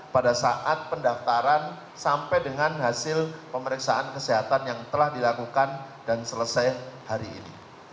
pada saat pendaftaran sampai dengan hasil pemeriksaan kesehatan yang telah dilakukan dan selesai hari ini